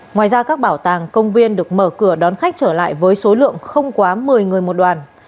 ngoài ra các bảo tàng công viên được mở cửa đón khách trở lại với số lượng không quá một mươi người một đoàn